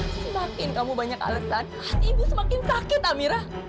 semakin kamu banyak alesan hati ibu semakin sakit amira